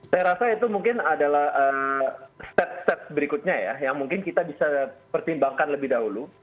saya rasa itu mungkin adalah step step berikutnya ya yang mungkin kita bisa pertimbangkan lebih dahulu